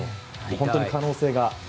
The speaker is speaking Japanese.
本当に可能性が。